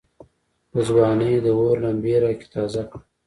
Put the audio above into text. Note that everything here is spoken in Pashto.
دځوانۍ داور لمبي را کې تازه کړه